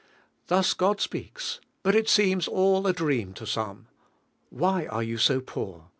Thus God speaks, but it seems nil a dream to some. Why are you ao poor?